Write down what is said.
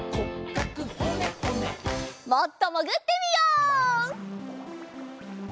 もっともぐってみよう。